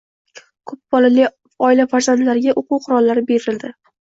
Ko‘p bolali oila farzandlariga o‘quv qurollari berilding